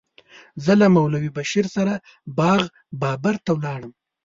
زه له مولوي بشیر سره باغ بابر ته ولاړم.